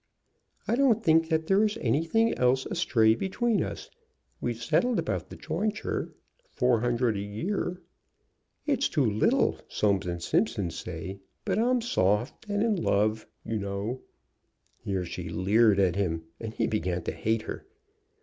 "I don't think that there is anything else astray between us. We've settled about the jointure, four hundred a year. It's too little, Soames & Simpson say; but I'm soft, and in love, you know." Here she leered at him, and he began to hate her.